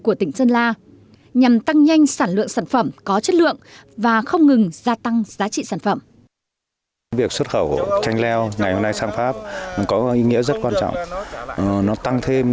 của tỉnh sơn la nhằm tăng nhanh sản lượng sản phẩm có chất lượng và không ngừng gia tăng giá trị sản phẩm